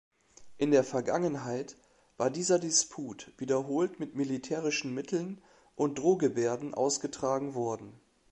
In der Vergangenheit war dieser Disput wiederholt mit militärischen Mitteln und Drohgebärden ausgetragen worden.